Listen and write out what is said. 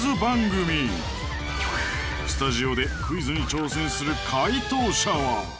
スタジオでクイズに挑戦する解答者は